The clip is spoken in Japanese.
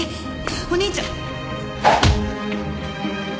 お兄ちゃん。